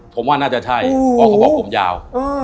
ผมว่าน่าจะใช่เพราะเขาบอกผมยาว